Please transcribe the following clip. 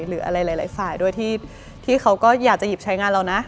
หรืออะไรหลายฝ่ายด้วยที่เขาก็อยากจะหยิบใช้งานเรานะ